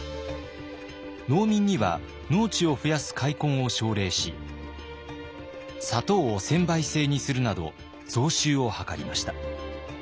農民には農地を増やす開墾を奨励し砂糖を専売制にするなど増収を図りました。